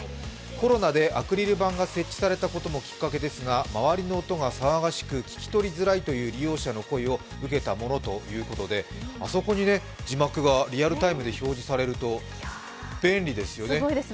コロナでアクリル板で設置されたこともきっかけですが周りの音が騒がしく聞き取りづらいという利用者の声を受けたものということで、あそこに字幕がリアルタイムで表示されると便利ですよね。